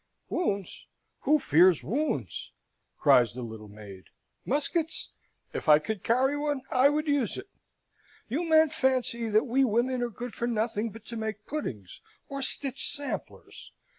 "Wounds! who fears wounds?" cries the little maid. "Muskets? If I could carry one, I would use it. You men fancy that we women are good for nothing but to make puddings or stitch samplers.